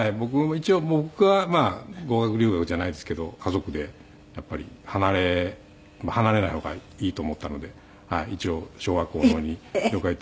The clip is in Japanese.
一応僕はまあ語学留学じゃないですけど家族でやっぱり離れない方がいいと思ったので一応小学校の方に了解を得て。